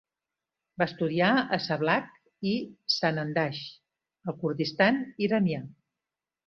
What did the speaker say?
Va estudiar a Sablakh i Sanandaj, al Kurdistan iranià.